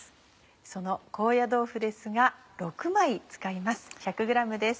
その高野豆腐ですが６枚使います１００ｇです。